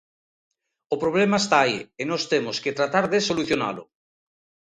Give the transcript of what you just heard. O problema está aí, e nós temos que tratar de solucionalo.